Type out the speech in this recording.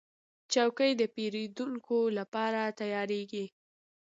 چوکۍ د پیرودونکو لپاره تیارېږي.